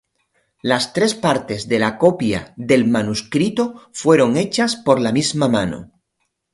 Las tres partes de la copia del manuscrito fueron hechas por la misma mano.